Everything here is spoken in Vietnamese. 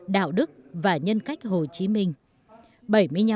đạo đức và nhân cách hồ chí minh